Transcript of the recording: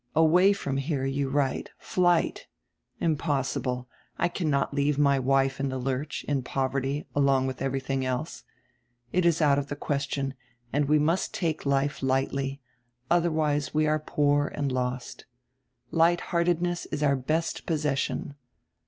'"Away fronr here,' you write, 'flight.' Impossible. I cannot leave my wife in die lurch, in poverty, along with everything else. It is out of the question, and we must take life lightly, otherwise we are poor and lost. Light hearted ness is our best possession.